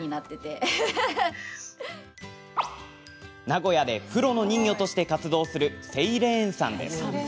名古屋でプロの人魚として活動する、セイレーンさんです。